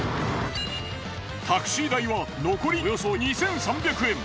タクシー代は残りおよそ２，３００円。